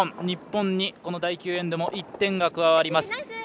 日本に第９エンドも１点が加わります。